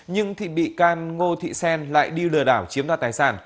nhưng thị bị can ngô thị sen lại đi lừa đảo chiếm đoạt tài sản